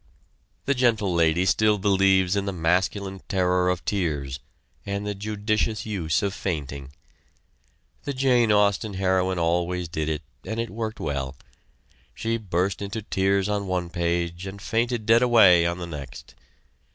The Gentle Lady still believes in the masculine terror of tears, and the judicious use of fainting. The Jane Austin heroine always did it and it worked well. She burst into tears on one page and fainted dead away on the next.